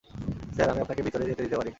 Sir, আমি আপনাকে ভিতরে যেতে দিতে পারি।